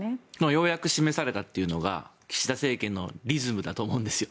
ようやく示されたというのが岸田政権のリズムだと思うんですよ。